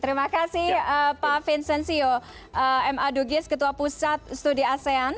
terima kasih pak vincensio m a dugis ketua pusat studi asean